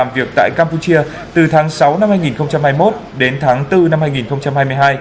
làm việc tại campuchia từ tháng sáu năm hai nghìn hai mươi một đến tháng bốn năm hai nghìn hai mươi hai